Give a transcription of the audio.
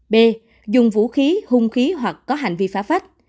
b dùng vũ khí hung khí hoặc có hành vi phách